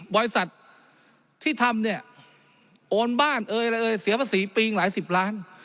บริษัทที่ทำเนี่ยโอนบ้านเอ่ยอะไรเอ่ยเสียภาษีปีงหลายสิบล้าน